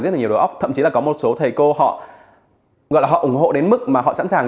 rất là nhiều đồ ốc thậm chí là có một số thầy cô họ gọi là họ ủng hộ đến mức mà họ sẵn sàng